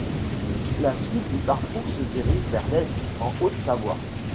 La suite du parcours se dirige vers l'est, en Haute-Savoie.